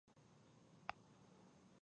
آیا دوی ترکیې او عراق ته ګاز نه ورکوي؟